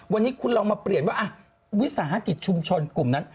วันนี้คุณลองมาเปลี่ยนว่าวิสาหกิจชุมชนกลุ่มนั้น